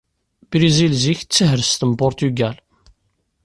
Brizil zik d tahrest n Purtugal.